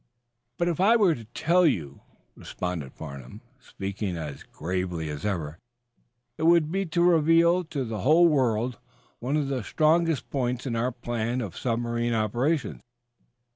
"But if I were to tell you," responded Farnum, speaking as gravely as ever, "it would be to reveal to the whole world one of the strongest points in our plan of submarine operation.